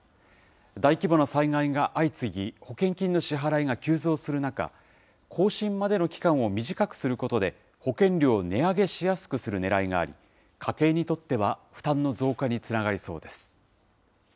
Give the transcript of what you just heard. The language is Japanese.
大規模な災害が相次ぎ、保険金の支払いが急増する中、更新までの期間を短くすることで、保険料を値上げしやすくするねらいがあり、家計にとっては負担の増加につながりそうです。